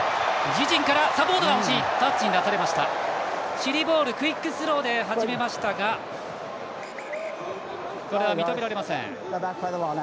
チリボールクイックスローで始められましたがこれは認められません。